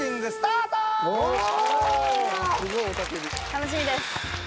楽しみです。